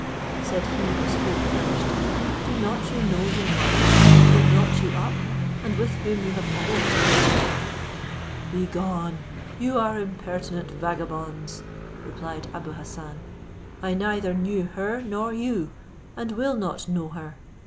said he who spoke first, "do not you know your mother who brought you up, and with whom you have always lived?" "Be gone, you are impertinent vagabonds," replied Abou Hassan; "I neither knew her nor you, and will not know her.